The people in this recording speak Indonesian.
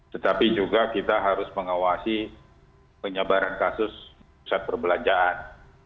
tetapi juga kita harus mengawasi penyebaran kasus pusat perbelanjaan